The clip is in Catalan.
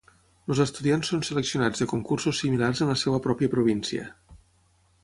Els estudiants són seleccionats de concursos similars en la seva pròpia província.